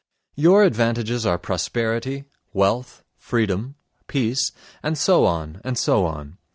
Your advantages are prosperity, wealth, freedom, peace—and so on, and so on.